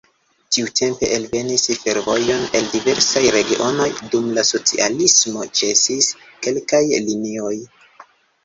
Tiutempe alvenis fervojoj el diversaj regionoj, dum la socialismo ĉesis kelkaj linioj.